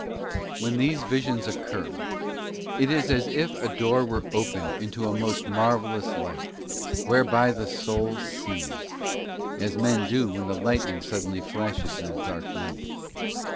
When these visions occur, it is as if a door were opened into a most marvellous light, whereby the soul sees, as men do when the lightning suddenly flashes in a dark night.